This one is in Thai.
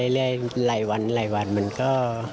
เรื่อยไหลวันมันก็